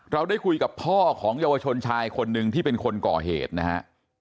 เราได้คุยกับพ่อของเยาวชนชายคนหนึ่งที่เป็นคนก่อเหตุนะฮะ